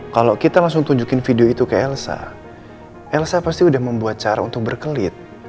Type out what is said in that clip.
kalau kita langsung tunjukin video itu ke elsa elsa pasti sudah membuat cara untuk berkelit